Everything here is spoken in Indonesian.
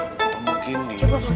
atau mungkin di atas